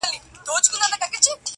خو خبري نه ختمېږي هېڅکله تل,